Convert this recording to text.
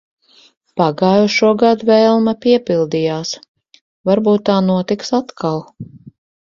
Pagājušogad vēlme piepildījās. Varbūt tā notiks atkal.